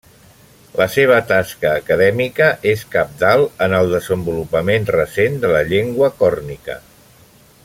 La seva tasca acadèmica és cabdal en el desenvolupament recent de la llengua còrnica.